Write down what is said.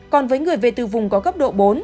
còn với người về từ vùng có cấp độ bốn